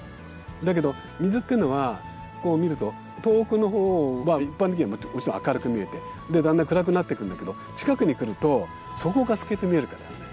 だけど水っていうのはこう見ると遠くのほうは一般的にはもちろん明るく見えてでだんだん暗くなっていくんだけど近くに来ると底が透けて見えるからですね。